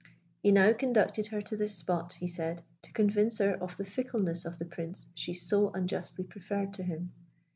He now conducted her to this spot, he said, to convince her of the fickleness of the Prince she so unjustly preferred to him.